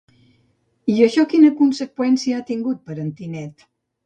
I això quina conseqüència ha tingut per en Tinet?